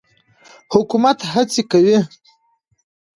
حکومت هڅې کوي.